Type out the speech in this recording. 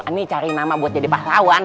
ini cari nama buat jadi pahlawan